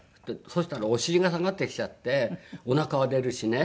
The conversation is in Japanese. そしたらお尻が下がってきちゃっておなかは出るしね。